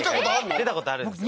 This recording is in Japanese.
出たことあるんですよ